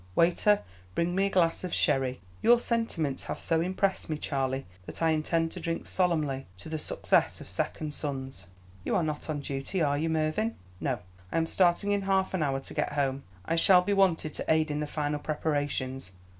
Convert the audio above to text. Waiter, bring me a glass of sherry; your sentiments have so impressed me, Charley, that I intend to drink solemnly to the success of second sons." "You are not on duty, are you, Mervyn?" "No, I am starting in half an hour to get home. I shall be wanted to aid in the final preparations.